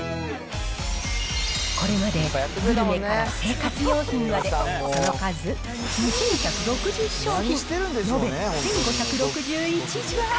これまでグルメから生活用品まで、その数、２１６０商品、延べ１５６１時間。